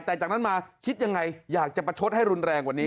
แต่จากนั้นมาคิดยังไงอยากจะประชดให้รุนแรงกว่านี้